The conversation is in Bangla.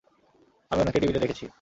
আমি উনাকে টিভিতে দেখেছি!